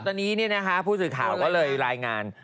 ก็ตอนนี้เนี่ยนะคะผู้สื่อข่าวก็เลยรายงาน